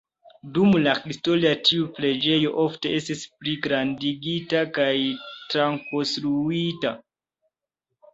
Dum la historio tiu preĝejo ofte estis pligrandigita kaj trakonstruita.